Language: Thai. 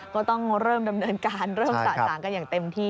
ก็ต้องเริ่มดำเนินการเริ่มสะสางกันอย่างเต็มที่